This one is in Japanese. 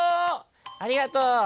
「ありがとう。